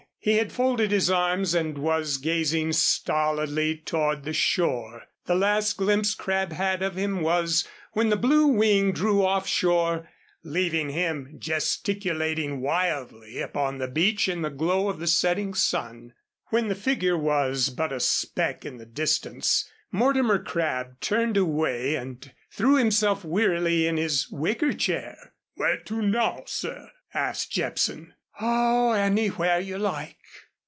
He had folded his arms and was gazing stolidly toward the shore. The last glimpse Crabb had of him was when the Blue Wing drew offshore leaving him gesticulating wildly upon the beach in the glow of the setting sun. When the figure was but a speck in the distance Mortimer Crabb turned away and threw himself wearily in his wicker chair. "Where to now, sir?" asked Jepson. "Oh, anywhere you like."